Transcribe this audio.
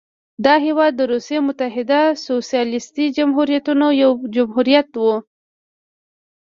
دا هېواد د روسیې متحده سوسیالیستي جمهوریتونو یو جمهوریت و.